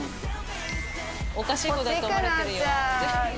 おかしい子だと思われてるよ。